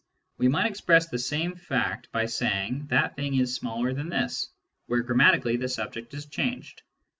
We might express the same fact by saying " that thing is smaller than this," where grammatically the subject is changed.